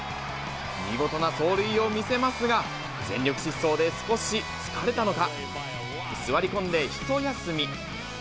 見事な走塁を見せますが、全力疾走で少し疲れたのか、座り込んで、一休み。